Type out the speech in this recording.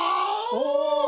お！